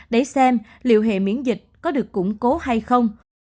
để xem liệu hệ miễn dịch có được củng cố hay không